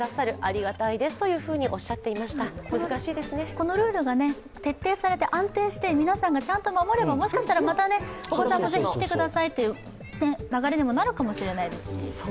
このルールが徹底されて安定して、皆さんがちゃんと守ればもしかしたらまたお子さんもぜひ来てくださいという流れにもなるかもしれないし。